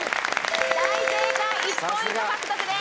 大正解１ポイント獲得です